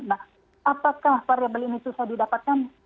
nah apakah variable ini susah didapatkan